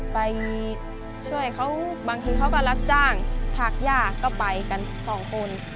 ไปช่วยเขาบางทีเขาก็รับจ้างถากย่าก็ไปกันสองคน